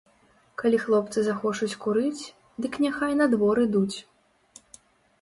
Калі хлопцы захочуць курыць, дык няхай на двор ідуць.